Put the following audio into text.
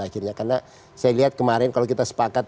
karena saya lihat kemarin kalau kita sepakat